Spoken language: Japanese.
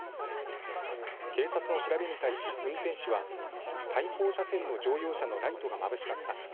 警察の調べに対し運転手は対向車線の乗用車のライトがまぶしかった。